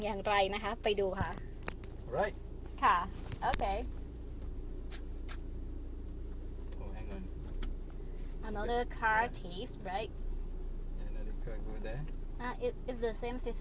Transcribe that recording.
โหว่าจะมีรอบอีกไหม